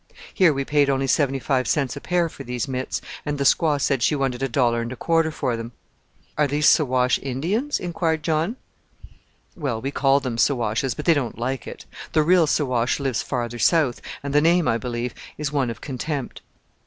Here we paid only seventy five cents a pair for these mitts, and the squaw said she wanted a dollar and a quarter for them." "Are these Siwash Indians?" inquired John. Corruption of the French sauvage. "Well, we call them Siwashes; but they don't like it. The real Siwash lives farther south, and the name, I believe, is one of contempt."